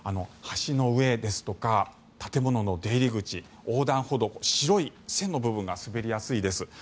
橋の上ですとか建物の出入り口横断歩道、白い線の部分が滑りやすいです。